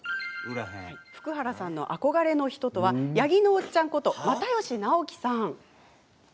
福原さんの憧れの人とは八木のおっちゃんこと又吉直樹さん。